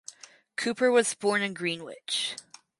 Cooper was born in Greenwich.